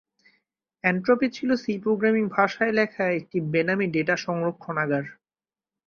Entropy ছিল C programming ভাষায় লেখা একটি বেনামী ডাটা সংরক্ষণাগার।